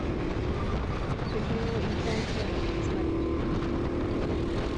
不平を言いたい人の集まり